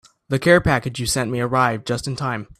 The care package you sent me arrived just in time.